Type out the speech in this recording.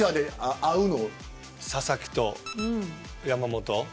佐々木と山本。